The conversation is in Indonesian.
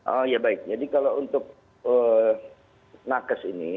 oh ya baik jadi kalau untuk nakes ini